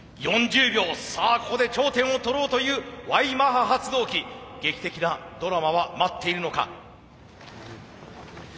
さあここで頂点を取ろうというＹマハ発動機劇的なドラマは待っているのか。